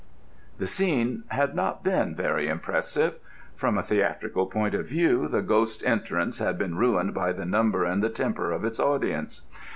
The scene had not been very impressive. From a theatrical point of view the ghost's entrance had been ruined by the number and the temper of its audience.